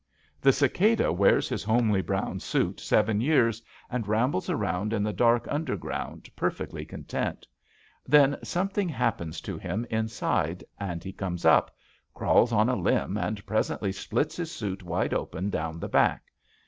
The cicada wears his homely brown suit seven years, and rambles around in the dark underground, perfectly content. Then some thing happens to him inside and he comes up, crawls on a limb and presently splits his suit wide open down the back.